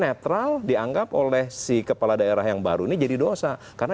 karena yuk gak berhasil jadi netral dianggap oleh si kepala daerah yang baru ini jadi dosa karena yuk gak berhasil